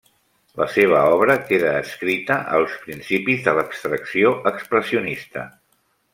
La seva obra quedà adscrita als principis de l'abstracció expressionista.